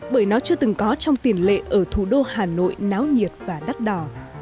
bởi nó chưa từng có trong tiền lệ ở thủ đô hà nội náo nhiệt và đắt đỏ